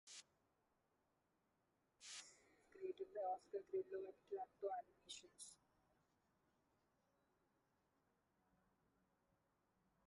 The advert itself was created by Oscar Grillo at Klacto Animations.